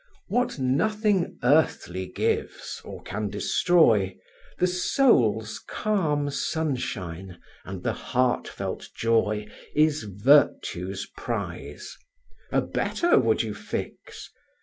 What nothing earthly gives, or can destroy, The soul's calm sunshine, and the heartfelt joy, Is virtue's prize: A better would you fix?